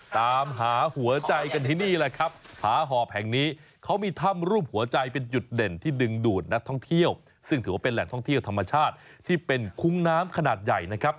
ตามหาหัวใจกันที่นี่แหละครับ